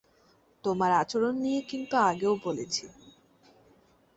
তোমার আচরণ নিয়ে কিন্তু আগেও বলেছি।